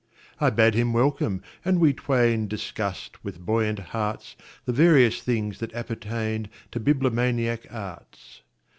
I bade him welcome, and we twainDiscussed with buoyant heartsThe various things that appertainTo bibliomaniac arts.